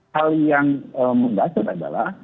hal yang menggasur adalah